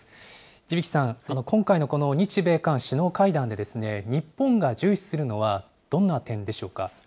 地曳さん、今回のこの日米韓首脳会談で、日本が重視するのはどんな点でしょうか。